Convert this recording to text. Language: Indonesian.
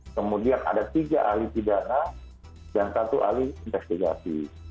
kemudian ada tiga alis pidana dan satu alis investigasi